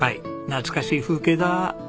懐かしい風景だ。